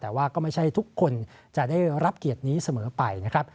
แต่ว่าก็ไม่ใช่ทุกคนจะได้รับเกียรตินี้เสมอไปนะครับ